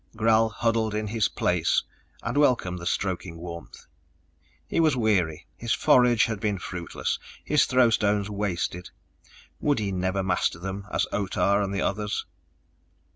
Gral huddled in his Place and welcomed the stroking warmth. He was weary, his forage had been fruitless, his throw stones wasted ... would he never master them as Otah and the others?